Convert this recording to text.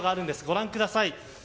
ご覧ください。